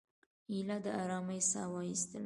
ایله د آرامۍ ساه وایستله.